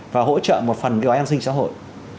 và hỗ trợ một phần cái an sinh xã hội